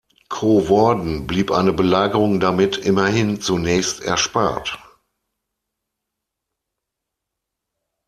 Coevorden blieb eine Belagerung damit immerhin zunächst erspart.